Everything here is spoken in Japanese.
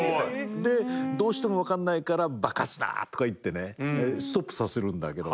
でどうしても分かんないから爆発だ！とか言ってねストップさせるんだけど。